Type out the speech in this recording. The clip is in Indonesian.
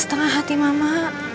setengah hati mama